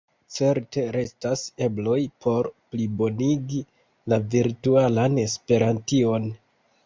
Certe restas ebloj por plibonigi la virtualan Esperantion.